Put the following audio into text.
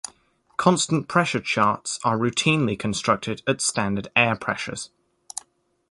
"Constant-pressure" charts are routinely constructed at standard air pressures.